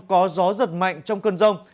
có gió giật mạnh trong cơn rông